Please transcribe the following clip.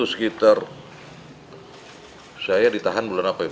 sekitar saya ditahan bulan apa ya